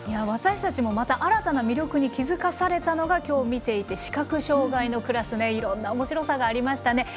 私たちもまた新たな魅力に気付かされたのが今日、見ていて視覚障がいのクラスはいろんなおもしろさがありました。